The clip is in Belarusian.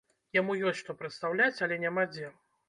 Яму ёсць што прадстаўляць, але няма дзе.